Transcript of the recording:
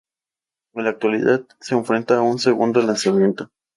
En la actualidad, se enfrenta a un segundo lanzamiento.